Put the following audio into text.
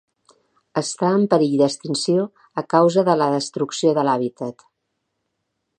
Està en perill d'extinció a causa de la destrucció de l'hàbitat.